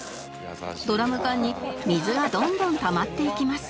ドラム缶に水がどんどんたまっていきます